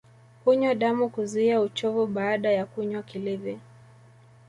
Hunywa damu kuzuia uchovu baada ya kunywa kilevi